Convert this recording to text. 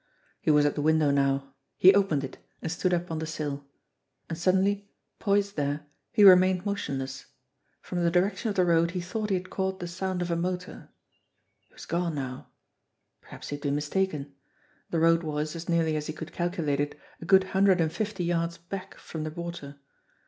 He was at the window now. He opened it, and stood up on the sill and suddenly, poised there, he remained motion less. From the direction of the road he thought he had caught the sound of a motor. It was gone now. Perhaps he had been mistaken. The road was, as nearly as he could calculate it, a good hundred and fifty yards back from the. water.